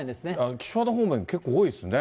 岸和田方面、結構、多いですね。